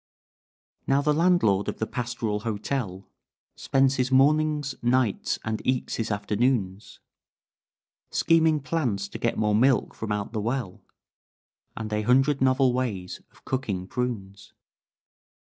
"Now the landlord of the pastoral hotel Spends his mornings, nights, and eke his afternoons, Scheming plans to get more milk from out the well, And a hundred novel ways of cooking prunes.